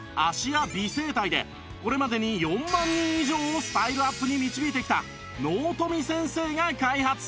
芦屋美整体でこれまでに４万人以上をスタイルアップに導いてきた納富先生が開発！